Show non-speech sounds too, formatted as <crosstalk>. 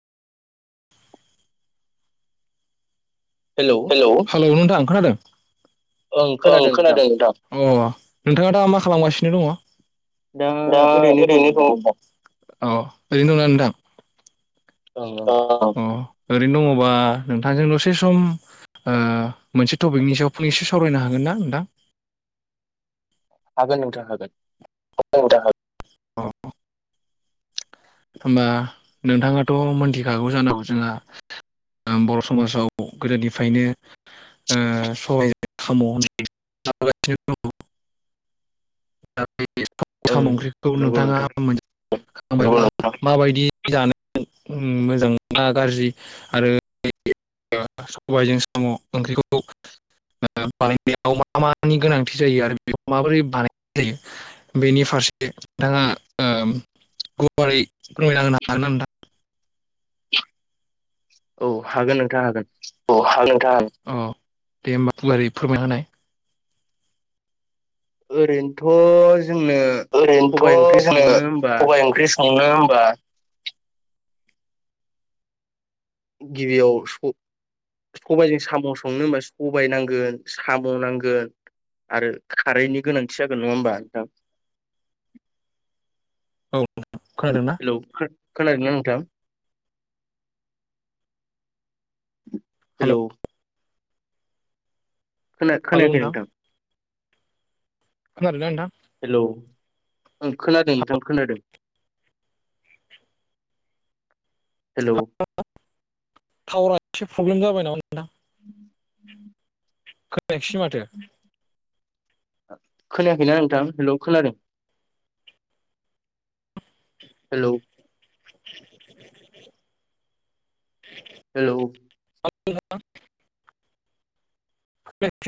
Hello hello नोंथां खोनादों औ खोनादों नोंथां अ नोंथाङा दा मा खालामगासिनो दङ दा ओरैनो दं औ ओरैनो दंना नोंथां ओं ओं अ ओ ओरैनो दङबा नोंथांजों दसे सम ओ मोनसे टपिकनि सायाव फंनैसो सावरायनो हागोन ना नोंथां हगोन नोंथां हागोन अ नोंथां हागोन अ होनबा नोंथाङाथ' मोनथिखागौ जानांगौ जोंहा बर' समाजाव गोदोनिफ्रायनो ओ सबायजों साम' होननाय जाबोगासिनो दङ बे ओं साम'ख्रिखौ नंगौ नोंथाङा नोंथां मोनसे माबायदि जानो मोजां मोना गाज्रि आरो सबायजों साम' ओंख्रिखौ बानायनायाव मा मानि गोनांथि जायो आरो बेखौ माबोरै बानायनाय जायो बेनि फारसे नोंथाङा गुवारै फोरमायना हागोना नोंथां औ हागोन नोंथां हागोन औ हागोन नोंथां हागोन औ दे होमबा गुवारै फोरमायना होनाय ओरैनोथ' जोंनो सबाय ओंख्रि ओरैनोथ' जोङो संनो होमबा सबाय ओंख्रि संनो होमबा । गिबियाव स-सबायजों साम' संनो होमबा सबाय नांगोन साम' नांगोन आरो खारैनि गोनांथि जागोन नङा होमबा नोंथां? औ खोनादोंना हेलौ खोना खोनादों ना नोंथां? हेल' हेलौ खोना हेल' खोनायाखै नोंथां खोनादों ना नोंथां? हेलौ ओं खोनादों नोंथां खोनादों । हेलौ टावारा एसे प्रब्लेम जाबाय नामा नोंथां <inaudible> खोनायाखैसै माथो खोनायाखैना नोंथां हेल' खोनादों । Hello <inaudible> hello <unintelligible> खोनायाखैसै